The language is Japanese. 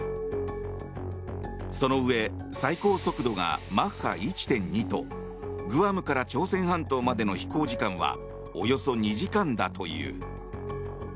そのうえ最高速度がマッハ１．２とグアムから朝鮮半島までの飛行時間はおよそ２時間だという。